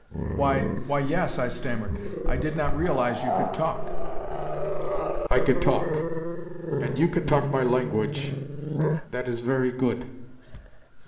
"Why why, yes," I stammered. "I did not realize you could talk." "I can talk. And you can talk my language. That is very good."